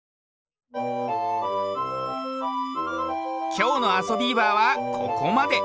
きょうの「あそビーバー」はここまで。